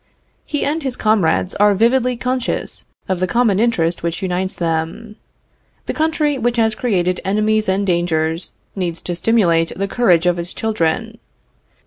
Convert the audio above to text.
He and his comrades are vividly conscious of the common interest which unites them. The country which has created enemies and dangers, needs to stimulate the courage of its children.